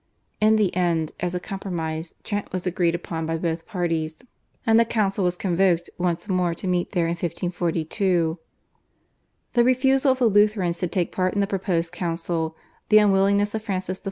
In the end as a compromise Trent was agreed upon by both parties, and the council was convoked once more to meet there in 1542. The refusal of the Lutherans to take part in the proposed council, the unwillingness of Francis I.